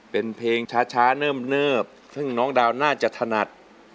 เป็นเพลงช้าเนิบซึ่งน้องดาวน่าจะถนัด